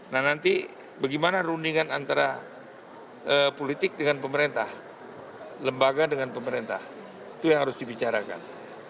nah nanti bagaimana rundingan antara politik dengan pemerintah lembaga dengan pemerintah itu yang harus dibicarakan